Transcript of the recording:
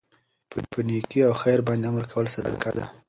په نيکي او خیر باندي امر کول صدقه ده